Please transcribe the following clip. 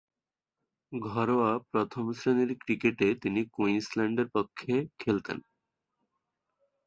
ঘরোয়া প্রথম-শ্রেণীর ক্রিকেটে তিনি কুইন্সল্যান্ডের পক্ষে খেলতেন।